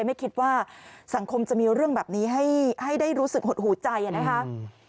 ไม่คิดว่าสังคมจะมีเรื่องแบบนี้ให้ได้รู้สึกหดหูใจนะครับ